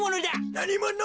なにもの？